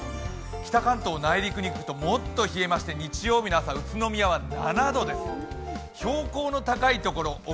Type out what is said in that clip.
北関東内陸にいくともっと冷えまして日曜日の朝、宇都宮は７度です、標高の高いところ奥